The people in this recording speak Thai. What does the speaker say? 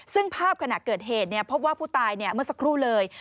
ซึ่งภาพขณะเกิดเหตุพบว่าผู้ตายเมื่อสักครู่เลย